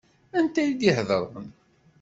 Anta i d-iheḍṛen?